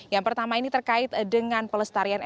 yang pertama ini terkait dengan pelestarian energi